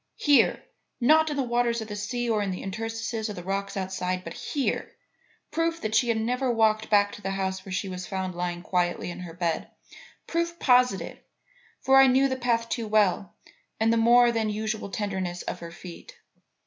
Here! Not in the waters of the sea or in the interstices of the rocks outside, but here! Proof that she had never walked back to the house where she was found lying quietly in her bed; proof positive; for I knew the path too well and the more than usual tenderness of her feet.